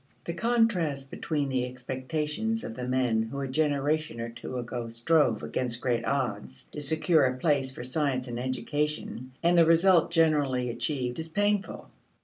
The contrast between the expectations of the men who a generation or two ago strove, against great odds, to secure a place for science in education, and the result generally achieved is painful.